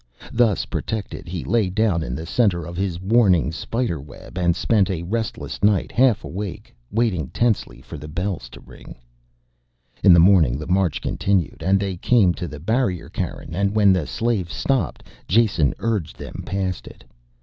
Thus protected he lay down in the center of his warning spiderweb and spent a restless night, half awake, waiting tensely for the bells to ring. In the morning the march continued and they came to the barrier cairn, and when the slaves stopped Jason urged them past it.